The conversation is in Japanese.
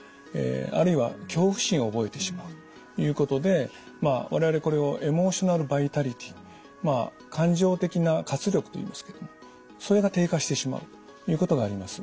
あるいは恐怖心を覚えてしまうということで我々これをエモーショナルバイタリティー感情的な活力といいますけどもそれが低下してしまうということがあります。